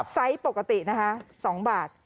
ไซส์ปกติ๒บาท